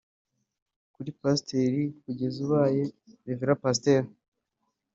ukiri Pasiteri kugeza ubaye Rev Pasiteri